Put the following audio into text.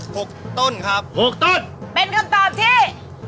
หกต้นครับหกต้นเป็นคำตอบที่